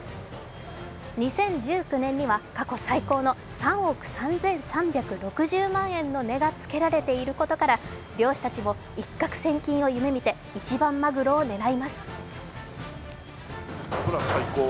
２０１９年には過去最高の３億３３６０万円の値がつけられていることから、漁師たちも一獲千金を夢見て一番まぐろを狙います。